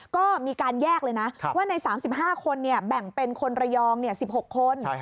ก็มีการแยกเลยนะใน๓๕คนนี่แบ่งเป็นสิบหกคน